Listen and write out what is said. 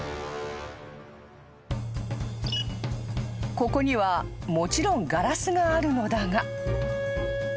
［ここにはもちろんガラスがあるのだが］